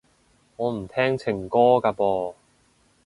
我唔聽情歌㗎噃